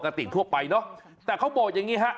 ก็ดูปกติทั่วไปเนอะแต่เขาบอกอย่างนี้ฮะ